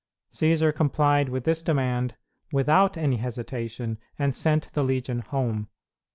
Cćsar complied with this demand without any hesitation, and sent the legion home.